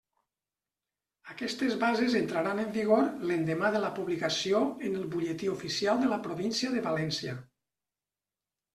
Aquestes bases entraran en vigor l'endemà de la publicació en el Butlletí Oficial de la Província de València.